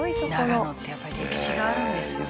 「長野ってやっぱり歴史があるんですよね」